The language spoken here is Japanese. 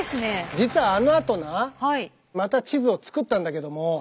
実はあのあとなまた地図を作ったんだけども。